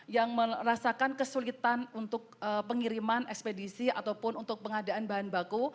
yang merasakan kesulitan untuk pengiriman ekspedisi ataupun untuk pengadaan bahan baku